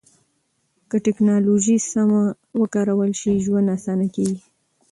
که ټکنالوژي سمه وکارول شي، ژوند اسانه کېږي.